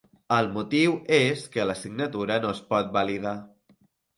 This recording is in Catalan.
El motiu és que la signatura no es pot validar.